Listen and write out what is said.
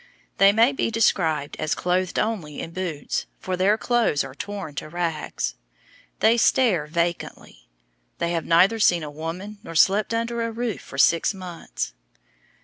They may be described as clothed only in boots, for their clothes are torn to rags. They stare vacantly. They have neither seen a woman nor slept under a roof for six months.